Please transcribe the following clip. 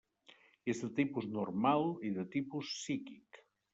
És de tipus normal i de tipus psíquic.